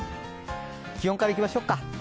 気温からいきましょっか。